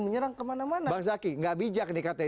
menyerang kemana mana bang zaky tidak bijak nih